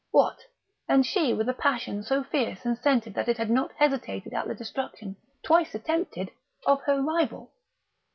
What, and she with a passion so fierce and centred that it had not hesitated at the destruction, twice attempted, of her rival?